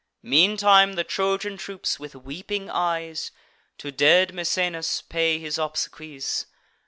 Meantime the Trojan troops, with weeping eyes, To dead Misenus pay his obsequies.